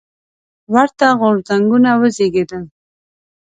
ورته غورځنګونه وزېږېدل.